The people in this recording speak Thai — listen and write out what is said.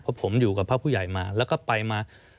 เพราะผมอยู่กับพระผู้ใหญ่มาแล้วก็ไปมา